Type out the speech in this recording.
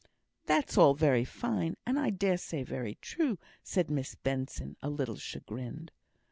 "That's all very fine, and I dare say very true," said Miss Benson, a little chagrined.